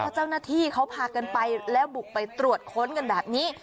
เจ้าหน้าที่เขาพากันไปแล้วบุกไปตรวจค้นกันแบบนี้